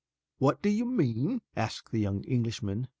"What do you mean?" asked the young Englishman.